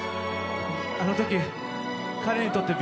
あのとき、彼にとってＢ